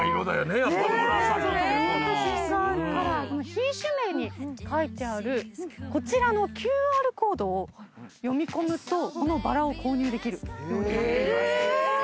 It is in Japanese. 品種名に書いてあるこちらのＱＲコードを読み込むとこのバラを購入できるようになっています。